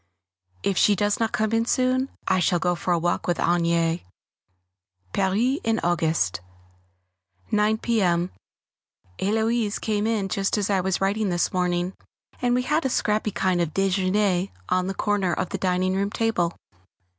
If she does not come in soon I shall go for a walk with Agnès. [Sidenote: Paris in August] 9 p.m. Héloise came in just as I was writing this morning, and we had a scrappy kind of déjeûner on the corner of the dining room table.